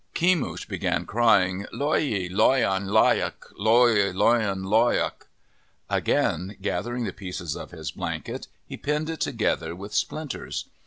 Kemush began crying, " Lo i loyan loyak. Lo loyan loyak" Again gathering the pieces of his blanket, he pinned it together with splinters.